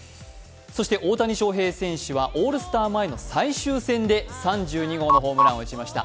そして大谷翔平選手はオールスター前の最終戦で３２号のホームランを打ちました。